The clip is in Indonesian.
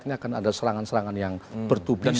ini akan ada serangan serangan yang bertubing